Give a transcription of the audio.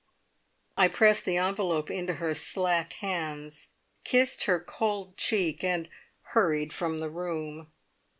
I pressed the envelope into her slack hands, kissed her cold cheek, and hurried from the room.